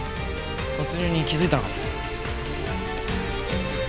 突入に気づいたのかも。